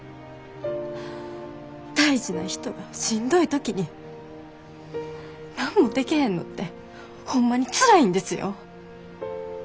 大事な人がしんどい時に何もでけへんのってホンマにつらいんですよ。